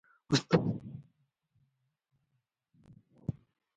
استاد بینوا د پند او عبرت خبرې لیکلې.